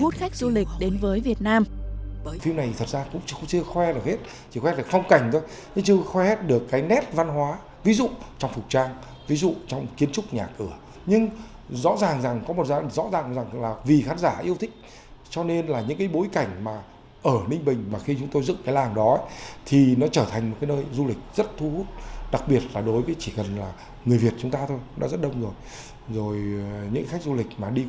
thú hút khách du lịch đến với việt nam